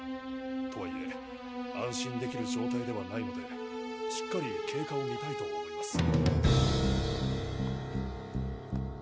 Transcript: とはいえ安心できる状態ではないのでしっかり経過を見たいと思います。